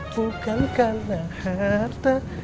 bukan karena harta